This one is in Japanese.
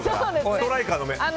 ストライカーの目。